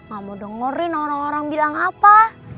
gak mau dengerin orang orang bilang apa